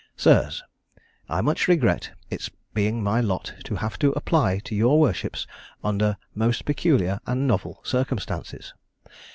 "SIRS, I much regret its being my lot to have to apply to your worships under most peculiar and novel circumstances.